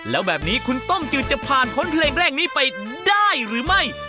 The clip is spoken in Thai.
แล้วแบบนี้คุณต้มจืดจะผ่านพ้นเพลงแรกนี้ไปได้หรือไม่